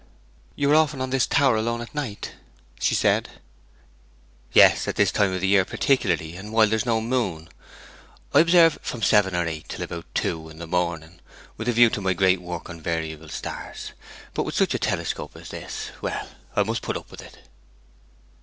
'You are often on this tower alone at night?' she said. 'Yes; at this time of the year particularly, and while there is no moon. I observe from seven or eight till about two in the morning, with a view to my great work on variable stars. But with such a telescope as this well, I must put up with it!'